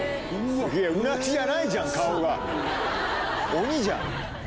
鬼じゃん。